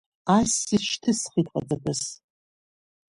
Ассир шьҭысхит ҟаҵатәыс.